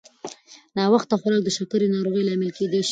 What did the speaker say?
ناوخته خوراک د شکرې د ناروغۍ لامل کېدای شي.